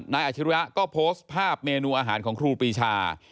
อาชิริยะก็โพสต์ภาพเมนูอาหารของครูปีชา